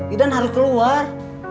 idan harus keluar